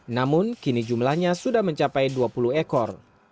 namun kini jumlahnya sudah mencapai dua puluh ekor